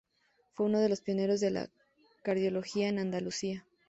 Fue uno de los pioneros de la cardiología en Andalucía.